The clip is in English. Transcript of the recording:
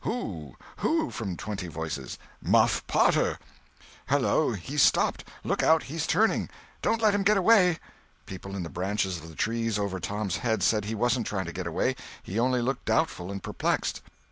"Who? Who?" from twenty voices. "Muff Potter!" "Hallo, he's stopped!—Look out, he's turning! Don't let him get away!" People in the branches of the trees over Tom's head said he wasn't trying to get away—he only looked doubtful and perplexed.